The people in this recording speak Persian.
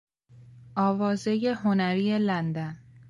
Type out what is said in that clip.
آوازهی هنری لندن